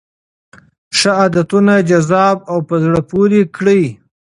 ښه عادتونه جذاب او په زړه پورې کړئ.